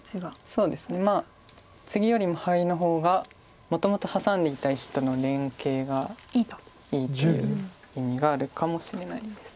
そうですねまあツギよりもハイの方がもともとハサんでいた石との連係がいいという意味があるかもしれないです。